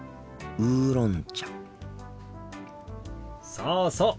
そうそう。